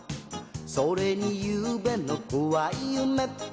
「それにゆうべのこわいゆめ」